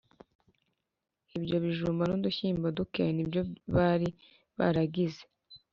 ibyo bijumba n’udushyimbo duke ni byo bari baragize